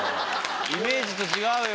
イメージと違うよ。